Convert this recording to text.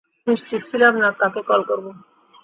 নিশ্চিত ছিলাম না কাকে কল করবো।